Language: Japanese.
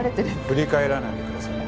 振り返らないでください。